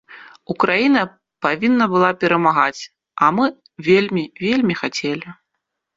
Украіна павінна была перамагаць,а мы вельмі вельмі хацелі.